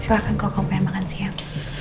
silakan kalau kamu pengen makan siang